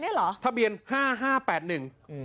นี่เหรอทะเบียน๕๕๘๑อืม